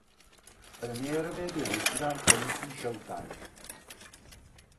Premiérově byl vysílán stanicí Showtime.